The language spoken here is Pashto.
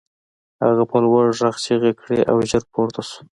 هغه په لوړ غږ چیغې کړې او ژر پورته شو